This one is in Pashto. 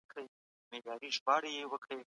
د حقوق الله موضوع ډېره مهمه ده.